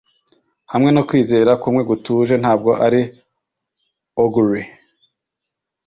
hamwe no kwizera kumwe gutuje. ntabwo ari augury